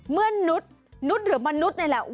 มนุษย์นุษย์หรือมนุษย์นี่แหละ